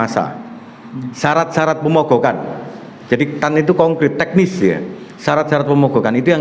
syarat syarat pemogokan jadi kan itu konkret teknis ya syarat syarat pemogokan itu yang